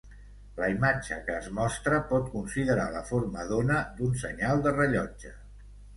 La imatge que es mostra pot considerar la forma d'ona d'un senyal de rellotge.